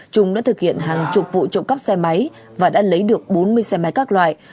trung đã thực hiện hàng chục vụ trộm cắp xe máy và đã lấy được bốn mươi xe máy các loại